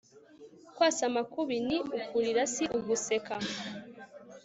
kwasama kubi ni ukurira si uguseka